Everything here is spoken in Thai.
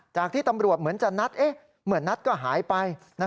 ที่ตำรวจเหมือนจะนัดเหมือนนัดก็หายไป